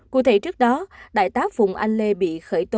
cụ thể trước đó đại tá phùng anh lê bị khởi tố